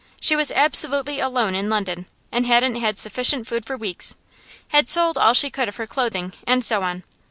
She was absolutely alone in London, and hadn't had sufficient food for weeks; had sold all she could of her clothing; and so on.